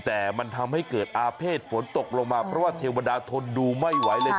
แต่มันทำให้เกิดอาเภษฝนตกลงมาเพราะว่าเทวดาทนดูไม่ไหวเลย